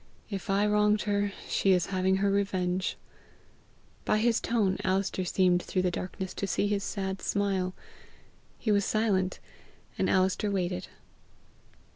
If I wronged her, she is having her revenge!" By his tone Alister seemed through the darkness to see his sad smile. He was silent, and Alister waited.